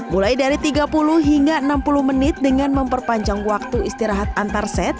mulai dari tiga puluh hingga enam puluh menit dengan memperpanjang waktu istirahat antarset